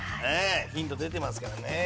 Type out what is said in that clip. ヒント出てますからね。